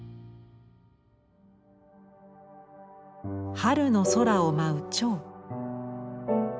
春の空を舞う蝶。